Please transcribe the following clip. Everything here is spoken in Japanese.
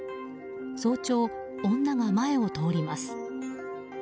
早朝、女が前を通ります。